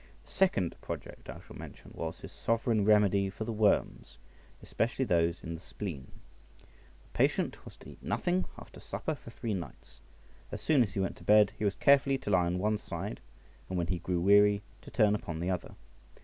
The second project I shall mention was his sovereign remedy for the worms, especially those in the spleen. The patient was to eat nothing after supper for three nights; as soon as he went to bed, he was carefully to lie on one side, and when he grew weary, to turn upon the other.